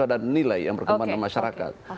ada nilai yang berkembang di masyarakat